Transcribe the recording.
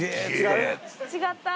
違った？